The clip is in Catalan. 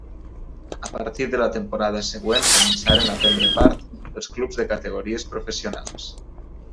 A partir de la temporada següent començaren a prendre part els clubs de categories professionals.